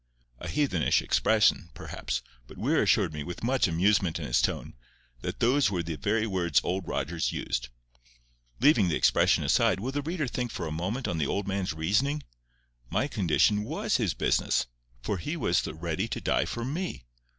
A heathenish expression, perhaps; but Weir assured me, with much amusement in his tone, that those were the very words Old Rogers used. Leaving the expression aside, will the reader think for a moment on the old man's reasoning? My condition WAS his business; for he was ready to die for me!